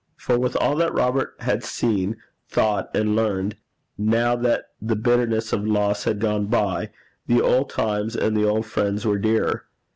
For with all that Robert had seen, thought, and learned, now that the bitterness of loss had gone by, the old times and the old friends were dearer.